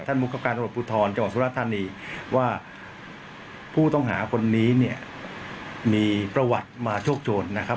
มุกคักการตำรวจภูทรจังหวัดสุรธานีว่าผู้ต้องหาคนนี้เนี่ยมีประวัติมาโชคโชนนะครับ